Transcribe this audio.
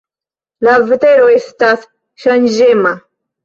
La vetero estas ŝanĝema.